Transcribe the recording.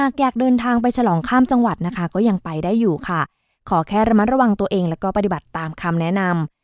ขอแค่ระมัดระวังตัวเองแล้วก็ปฏิบัติตามคำแนะนำ